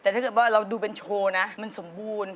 แต่ถ้าเกิดว่าเราดูเป็นโชว์นะมันสมบูรณ์